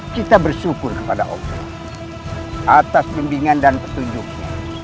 kita bersyukur kepada allah atas pembimbingan dan petunjuknya